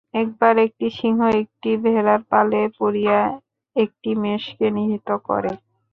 একবার একটি সিংহী একটি ভেড়ার পালে পড়িয়া একটি মেষকে নিহত করে।